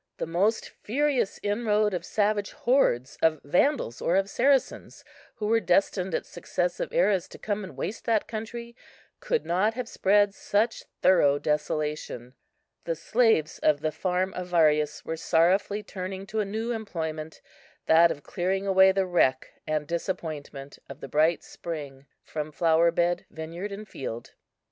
The most furious inroad of savage hordes, of Vandals, or of Saracens, who were destined at successive eras to come and waste that country, could not have spread such thorough desolation. The slaves of the farm of Varius were sorrowfully turning to a new employment, that of clearing away the wreck and disappointment of the bright spring from flower bed, vineyard, and field.